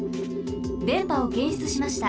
でんぱをけんしゅつしました。